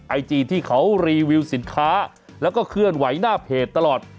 ไอจีที่เขารีวิวสินค้าแล้วก็เคลื่อนไหวหน้าเพจตลอด